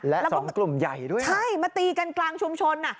และสองกลุ่มใหญ่ด้วยนะใช่มาตีกันกลางชุมชนอ่ะ